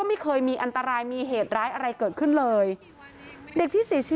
พ่อแม่มาเห็นสภาพศพของลูกร้องไห้กันครับขาดใจ